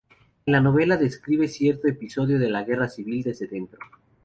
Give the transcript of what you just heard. En la novela describe cierto episodio de la guerra civil desde dentro.